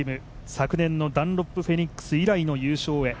昨年のダンロップフェニックス以来の優勝へ。